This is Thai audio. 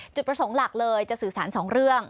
จุดประสงค์หลักเลยจะสื่อสาร๒เรื่อง